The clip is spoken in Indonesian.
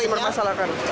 ada di sini